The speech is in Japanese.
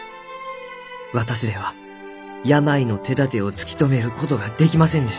「私では病の手だてを突き止めることができませんでした。